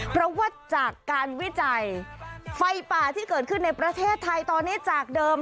เพราะว่าจากการวิจัยไฟป่าที่เกิดขึ้นในประเทศไทยตอนนี้จากเดิม